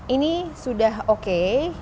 ini sudah oke